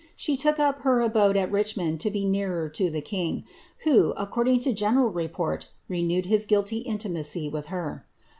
She took up her abode at Richmond to be nearer to the king, who, according to general report, renewed his guilty intimacy with her.'